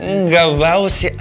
enggak bau sih